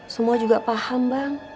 semua juga paham bang